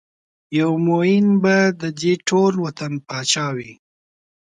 یو ميېن به ددې ټول وطن پاچا وي